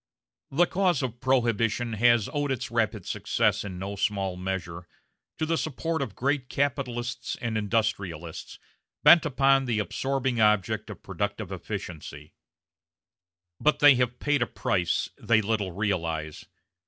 The cause of Prohibition has owed its rapid success in no small measure to the support of great capitalists and industrialists bent upon the absorbing object of productive efficiency; but they have paid a price they little realize.